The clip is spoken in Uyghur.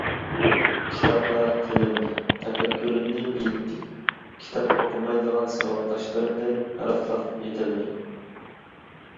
كىتابلار تىلىمنى، تەپەككۇرۇمنى بېيىتتى، كىتاب ئوقۇمايدىغان ساۋاقداشلىرىمدىن پەرقلىق يېتىلدىم.